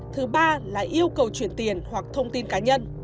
thứ ba là yêu cầu chuyển tiền hoặc thông tin cá nhân